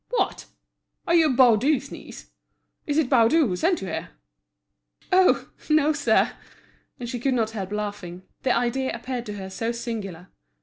"What! are you Baudu's niece? Is it Baudu who sent you here?" "Oh! no, sir!" And she could not help laughing, the idea appeared to her so singular.